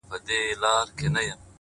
• په لوی لاس ځان د بلا مخي ته سپر کړم,